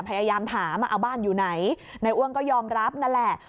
พยายามถามเอาบ้านอยู่ไหนนายอ้วนก็ยอมรับนั่นแหละ